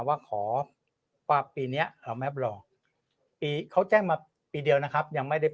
ว่าขอว่าปีนี้เราไม่รับรองเขาแจ้งมาปีเดียวนะครับยังไม่ได้